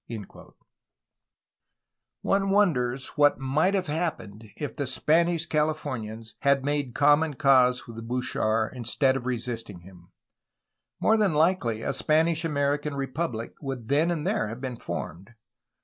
[ One wonders what might have happened if the Spanish Califomians had made common cause with Bouchard in stead of resisting him. More than likely a Spanish American repubUc would then and there have been formed.